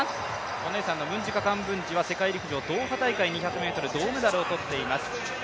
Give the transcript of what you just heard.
お姉さんのムンジガ・カンブンジは世界陸上ドーハ大会２００ｍ銅メダルをとっています。